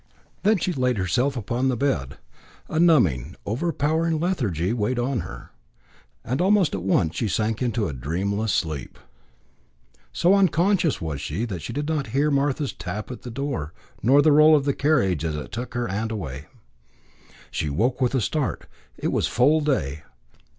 Then she laid herself upon the bed. A numbing, over powering lethargy weighed on her, and almost at once she sank into a dreamless sleep. So unconscious was she that she did not hear Martha's tap at the door nor the roll of the carriage as it took her aunt away. She woke with a start. It was full day.